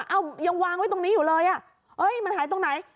ยังวางไว้ตรงนี้อยู่เลยอ่ะเอ้ยมันหายตรงไหน